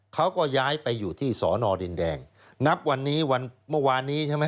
เขาก็ย้ายไปอยู่ที่สอนอดินแดงนับวันนี้วันเมื่อวานนี้ใช่ไหม